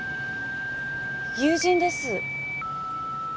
友人です。